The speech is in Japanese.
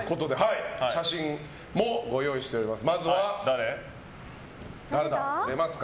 写真もご用意しております。